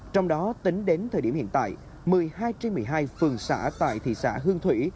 trong đó tính đến thời điểm hiện tại một mươi hai trên một mươi hai phường xã tại thị xã hương thủy